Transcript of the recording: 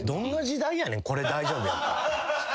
これ大丈夫やったん。